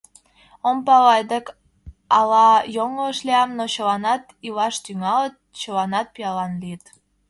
Ом пале адак, ала йоҥылыш лиям, но чыланат илаш тӱҥалыт, чыланат пиалан лийыт!